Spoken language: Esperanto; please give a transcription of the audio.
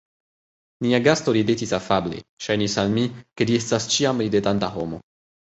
Nia gasto ridetis afable; ŝajnis al mi, ke li estas ĉiam ridetanta homo.